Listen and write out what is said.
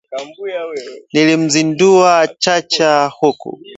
Nilimzindua Chacha huku